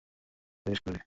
আমি কিছু জিজ্ঞেস করিনি?